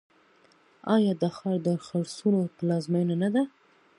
آیا دا ښار د خرسونو پلازمینه نه ده؟